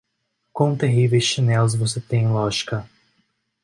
Quão terríveis chinelos você tem, Lojzka!